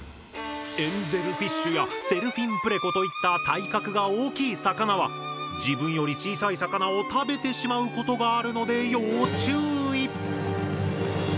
エンゼルフィッシュやセルフィンプレコといった体格が大きい魚は自分より小さい魚を食べてしまうことがあるので要注意。